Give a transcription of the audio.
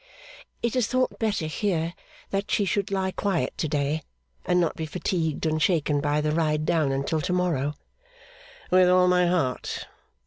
'It is thought better here that she should lie quiet to day, and not be fatigued and shaken by the ride down until to morrow.' 'With all my heart.